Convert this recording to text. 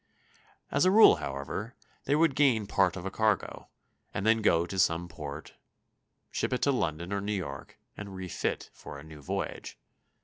As a rule, however, they would gain part of a cargo, and then go to some port, ship it to London or New York, and refit for a new voyage.